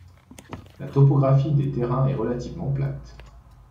La topographie des terrains est relativement plate.